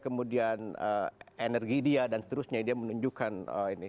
kemudian energi dia dan seterusnya dia menunjukkan ini